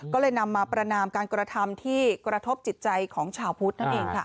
ก็เลยนำมาประนามการกระทำที่กระทบจิตใจของชาวพุทธนั่นเองค่ะ